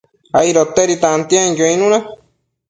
aidotedi tantienquio icnuna